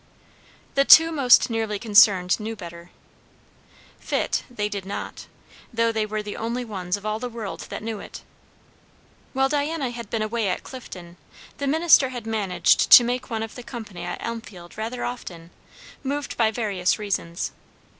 The two most nearly concerned knew better. Fit they did not, though they were the only ones of all the world that knew it. While Diana had been away at Clifton, the minister had managed to make one of the company at Elmfield rather often, moved by various reasons.